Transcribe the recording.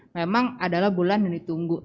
memang adalah bulan yang ditunggu